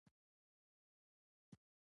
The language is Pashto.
واک د قانوني چوکاټ دننه مشروع پاتې کېږي.